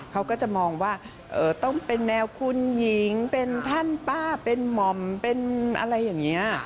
เขาก็จะมองว่าต้องเป็นแมวคุณหญิงเป็นท่านป้าเป็นหม่อมเป็นอะไรอย่างนี้